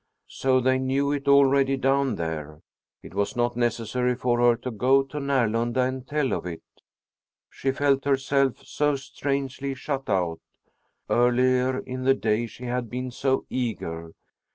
So they knew it already down there! It was not necessary for her to go to Närlunda and tell of it. She felt herself so strangely shut out! Earlier in the day she had been so eager.